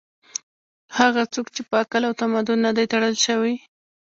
هغه څوک چې په عقل او تمدن نه دي تړل شوي